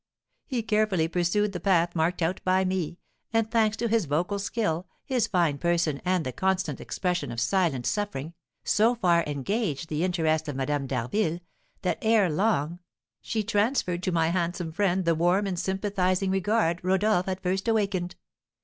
He carefully pursued the path marked out by me, and, thanks to his vocal skill, his fine person and the constant expression of silent suffering, so far engaged the interest of Madame d'Harville, that, ere long, she transferred to my handsome friend the warm and sympathising regard Rodolph had first awakened.